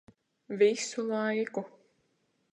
Visu laiku.